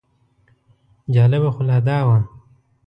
جالبه خو لا دا وه.